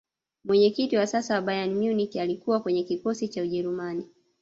mwenyekiti wa sasa wa bayern munich alikuwa kwenye kikosi cha ujerumani